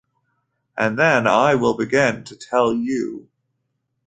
And then I will begin to tell you.